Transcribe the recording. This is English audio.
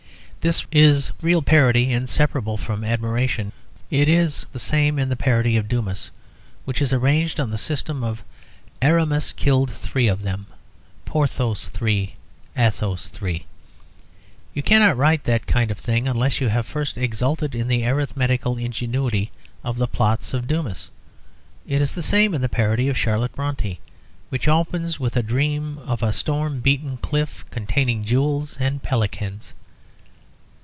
This is real parody, inseparable from admiration. It is the same in the parody of Dumas, which is arranged on the system of "Aramis killed three of them. Porthos three. Athos three." You cannot write that kind of thing unless you have first exulted in the arithmetical ingenuity of the plots of Dumas. It is the same in the parody of Charlotte Brontë, which opens with a dream of a storm beaten cliff, containing jewels and pelicans.